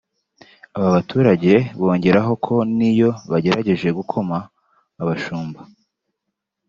Aba baturage bongeraho ko n’iyo bagerageje gukoma abashumba